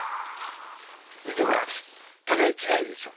見てごらん互い違いでしょ？